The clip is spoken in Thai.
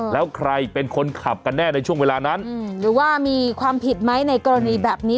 แล้วใครเป็นคนขับกันแน่ในช่วงเวลานั้นหรือว่ามีความผิดไหมในกรณีแบบนี้